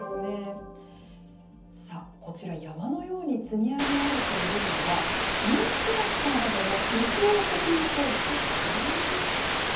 さあ、こちら、山のように積み上げられているのは、人気キャラクターなどの違法コピー商品。